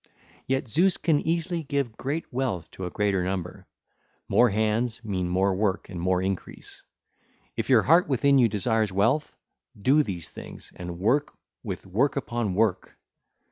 Yet Zeus can easily give great wealth to a greater number. More hands mean more work and more increase. (ll. 381 382) If your heart within you desires wealth, do these things and work with work upon work.